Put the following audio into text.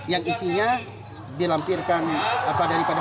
yang isinya dilampirkan daripada provinsi mereka